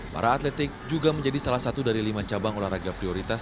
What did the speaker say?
para atletik juga menjadi salah satu dari lima cabang olahraga prioritas